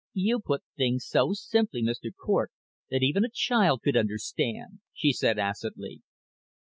"You put things so simply, Mr. Cort, that even a child could understand," she said acidly.